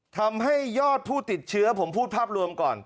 ทำให้ยอดผู้ติดเชื้อผมพูดภาพรวมก่อน